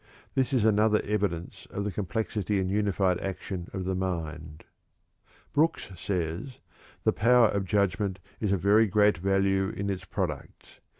This is another evidence of the complexity and unified action of the mind." Brooks says: "The power of judgment is of great value in its products.